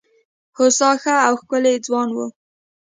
هوسا ښه او ښکلی ځوان وو.